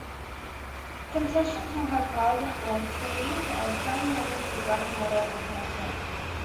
Concessions all have private latrines and some homes with running water also have toilets.